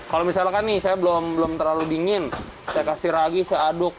kalau misalkan nih saya belum terlalu dingin saya kasih ragi saya aduk